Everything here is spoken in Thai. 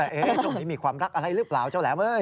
ช่วงนี้มีความรักอะไรหรือเปล่าเจ้าแหลม